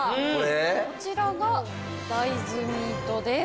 こちらが大豆ミートです。